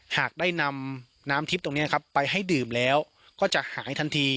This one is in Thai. หากได้นำน้ำทิพย์ตรงนี้ครับไปให้ดื่มแล้วก็จะหายทันที